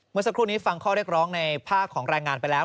เมื่อสักครู่นี้ฟังข้อเรียกร้องในภาคของรายงานไปแล้ว